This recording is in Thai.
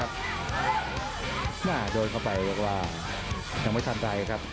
หมาโดนเข้าไปได้ว่ายังไม่ทันใจครับ